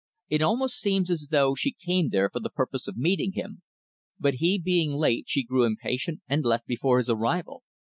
"It almost seems as though she came there for the purpose of meeting him, but he being late she grew impatient and left before his arrival.